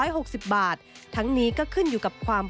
เป็นอย่างไรนั้นติดตามจากรายงานของคุณอัญชาฬีฟรีมั่วครับ